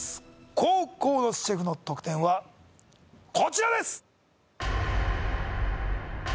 後攻のシェフの得点はこちらです